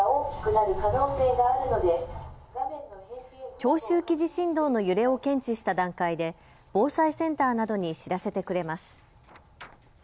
長周期地震動の揺れを検知した段階で防災センターなどに知らせてくれます。